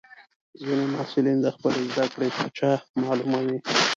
ځینې محصلین د خپلې زده کړې کچه معلوموي.